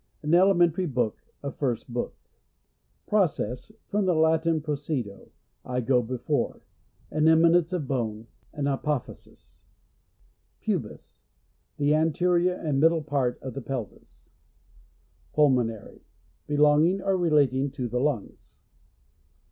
An elementary book — a first book. 118 PHYSIOLOGY:— GLOSSARY. Process. — From the Latin, procedo, I go before — an eminence of bone — an apophysis. Pubis. — The anterior and middle part of the pelvis. Pulmonary. — Belonging or relating to the lungs.